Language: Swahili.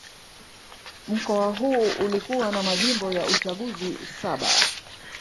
Mkoa huu ulikuwa na majimbo ya uchaguzi saba